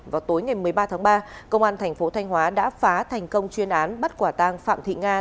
vào tối ngày một mươi ba tháng ba công an thành phố thanh hóa đã phá thành công chuyên án bắt quả tang phạm thị nga